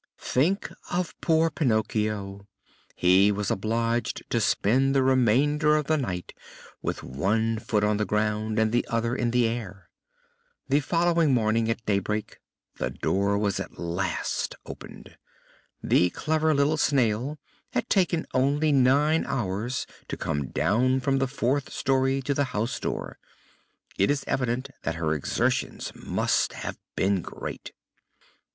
Think of poor Pinocchio! He was obliged to spend the remainder of the night with one foot on the ground and the other in the air. The following morning at daybreak the door was at last opened. The clever little Snail had taken only nine hours to come down from the fourth story to the house door. It is evident that her exertions must have been great.